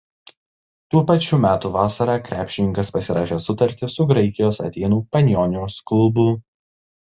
Tų pačių metų vasarą krepšininkas pasirašė sutartį su Graikijos Atėnų „Panionios“ klubu.